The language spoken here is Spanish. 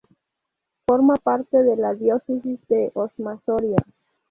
Forma parte de la diócesis de Osma-Soria.